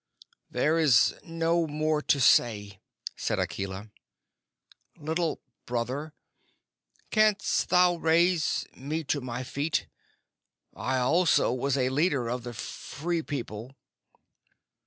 "There is no more to say," said Akela. "Little Brother, canst thou raise me to my feet? I also was a leader of the Free People."